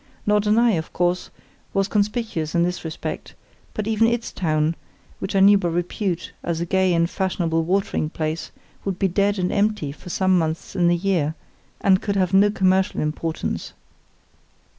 Norderney, of course, was conspicuous in this respect; but even its town, which I know by repute as a gay and fashionable watering place, would be dead and empty for some months in the year, and could have no commercial importance.